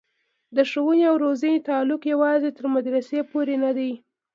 د ښوونې او روزنې تعلق یوازې تر مدرسې پورې نه دی.